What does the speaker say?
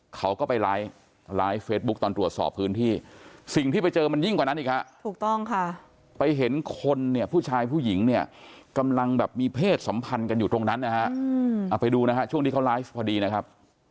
เขาก็ไปไลฟ์ไลฟ์เฟซบุ๊คตอนตรวจสอบพื้นที่สิ่งที่ไปเจอมันยิ่งกว่านั้นอีกฮะถูกต้องค่ะไปเห็นคนเนี่ยผู้ชายผู้หญิงเนี่ยกำลังแบบมีเพศสัมพันธ์กันอยู่ตรงนั้นนะฮะเอาไปดูนะฮะช่วงที่เขาไลฟ์พอดีนะครับ